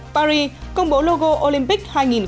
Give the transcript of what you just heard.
paris công bố logo olympic